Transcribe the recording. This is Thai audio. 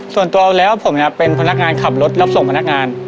ส่วนตัวแล้วผมเป็นพนักงานขับรถรับส่งพนักงาน